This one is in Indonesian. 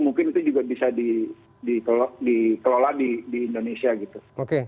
mungkin itu juga bisa dikelola di indonesia gitu